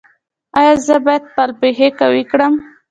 ایا زه باید خپل پښې قوي کړم؟